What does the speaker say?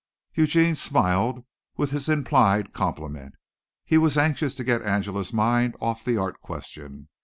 Eugene smiled with his implied compliment. He was anxious to get Angela's mind off the art question.